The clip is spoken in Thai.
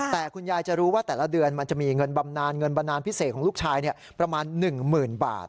แต่คุณยายจะรู้ว่าแต่ละเดือนมันจะมีเงินบำนานเงินบำนานพิเศษของลูกชายประมาณ๑๐๐๐บาท